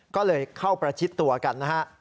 ก็เลยเข้าประชิดตัวกันนะฮะ